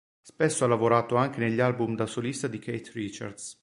Spesso ha lavorato anche negli album da solista di Keith Richards.